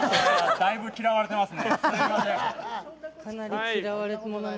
だいぶ嫌われてますね。